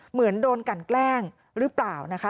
เหมือนโดนกันแกล้งหรือเปล่านะคะ